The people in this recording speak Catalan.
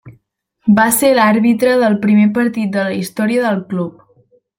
Va ser l'àrbitre del primer partit de la història del club.